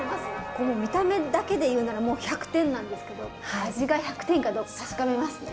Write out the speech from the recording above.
この見た目だけで言うならもう１００点なんですけど味が１００点かどうか確かめますね。